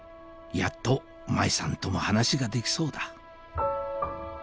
やっと麻衣さんとも話ができそうだ